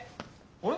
あれ？